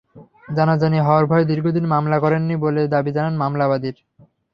জানাজানি হওয়ার ভয়ে দীর্ঘদিন মামলা করেননি বলে দাবি করেন মামলা বাদীর।